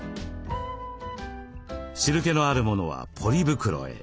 汁けのあるものはポリ袋へ。